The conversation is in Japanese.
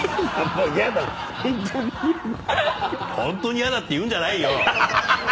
「ホントにヤダ」って言うんじゃないよ！